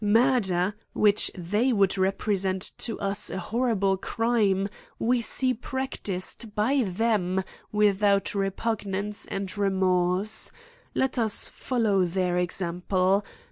Murder, which they would repre * sent to us an horrible crime, we see practised ' by them without repugnance or remorse. Let * us follow their example.